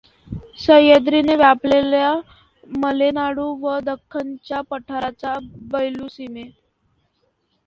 सह्याद्रीने व्यापलेला मलेनाडू, व दख्खनच्या पठाराचा बयलूसीमे.